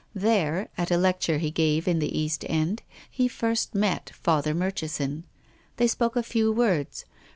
There, at a lecture he gave in the East End, he first met Father Murchison. They spoke a few words.